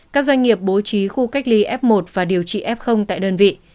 các doanh nghiệp bố trí khu cách ly f một và điều trị f tại đơn vị